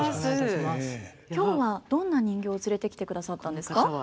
今日はどんな人形を連れてきてくださったんですか。